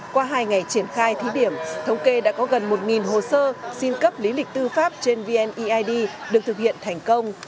qua hai ngày triển khai thí điểm thống kê đã có gần một hồ sơ xin cấp lý lịch tư pháp trên vneid được thực hiện thành công